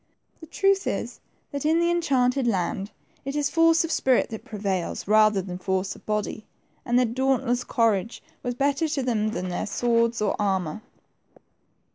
The truth is, that in the enchanted land, it is force of spirit that prevails, rather than force of body, and their dauntless courage was better to them than their swords or armor.